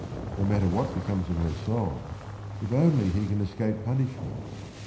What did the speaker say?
No matter what becomes of her soul, if only he can escape punishment!